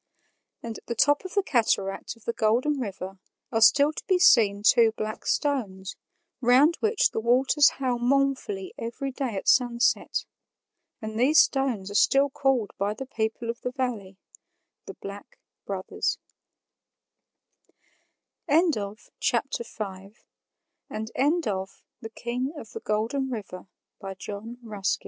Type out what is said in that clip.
And at the top of the cataract of the Golden River are still to be seen two black stones, round which the waters howl mournfully every day at sunset; and these stones are still called by the people of the valley THE BLACK BROTHERS End of Project Gutenberg's The King of the Golden River, by John Ruskin.